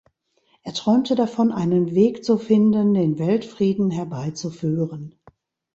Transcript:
Er träumte davon einen Weg zu finden, den Weltfrieden herbeizuführen.